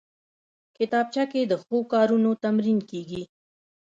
کتابچه کې د ښو کارونو تمرین کېږي